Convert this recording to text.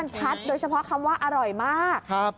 ชัดโดยเฉพาะคำว่าอร่อยมาก